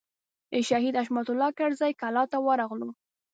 د شهید حشمت الله کرزي کلا ته ورغلو.